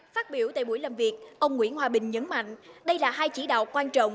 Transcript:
phát biểu tại buổi làm việc ông nguyễn hòa bình nhấn mạnh đây là hai chỉ đạo quan trọng